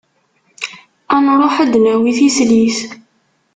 Ad nruḥ ad d-nawi tislit.